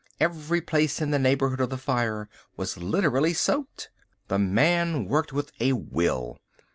Every place in the neighbourhood of the fire was literally soaked. The man worked with a will.